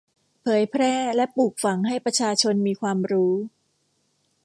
เผยแพร่และปลูกฝังให้ประชาชนมีความรู้